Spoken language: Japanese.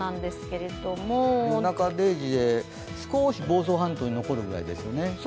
少し房総半島に残るぐらいですよね。